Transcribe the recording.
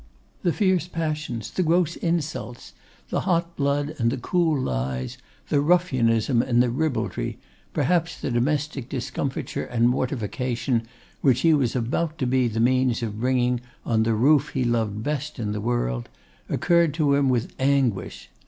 The fierce passions, the gross insults, the hot blood and the cool lies, the ruffianism and the ribaldry, perhaps the domestic discomfiture and mortification, which he was about to be the means of bringing on the roof he loved best in the world, occurred to him with anguish.